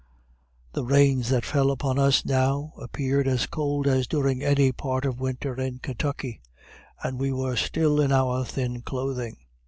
The rains that fell upon us now, appeared as cold as during any part of winter in Kentucky, and we were still in our thin clothing.